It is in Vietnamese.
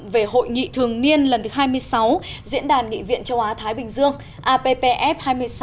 về hội nghị thường niên lần thứ hai mươi sáu diễn đàn nghị viện châu á thái bình dương appf hai mươi sáu